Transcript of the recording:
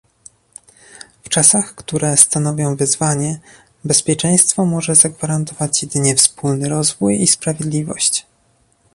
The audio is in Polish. W czasach, które stanowią wyzwanie, bezpieczeństwo może zagwarantować jedynie wspólny rozwój i sprawiedliwość